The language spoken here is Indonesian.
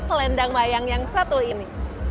tentu penjualan s lendangmaya yang satu ini